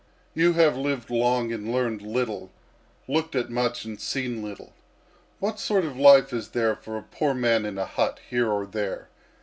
You have lived long and learned little, looked at much and seen little. What sort of life is there for a poor man in a hut here or there?